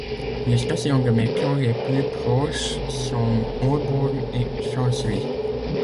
Les stations de métro les plus proches sont Holborn et Chancery.